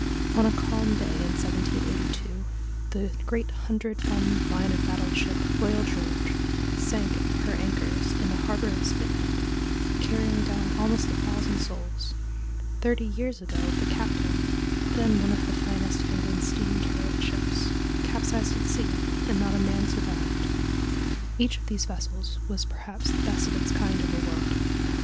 On a calm day in 1782 the great hundred gun line of battle ship Royal George sank at her anchors in the harbor of Spithead, carrying down almost a thousand souls; thirty years ago the Captain, then one of the finest of England's steam turret ships, capsized at sea, and not a man survived. Each of these vessels was perhaps the best of its kind in the world.